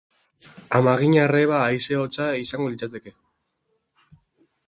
Amaginarreba haize hotza izango litzateke.